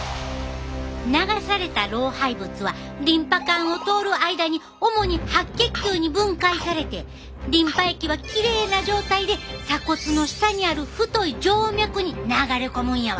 流された老廃物はリンパ管を通る間に主に白血球に分解されてリンパ液はきれいな状態で鎖骨の下にある太い静脈に流れ込むんやわ。